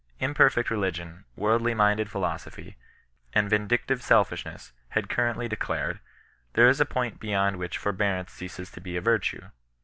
Imperfect religion, worldly minded philosophy, and vindictive selfishness had con currently declared, " there is a point bej/ond which for bearance ceases to be a virtue.